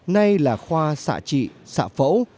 nay là khoa sạ trị sạ phẫu